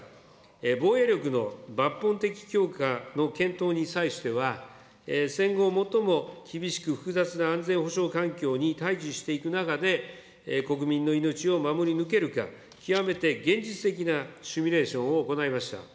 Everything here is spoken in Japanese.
防衛力の抜本的強化の検討に際しては、戦後最も厳しく複雑な安全保障環境に対じしていく中で、国民の命を守り抜けるか、極めて現実的なシミュレーションを行いました。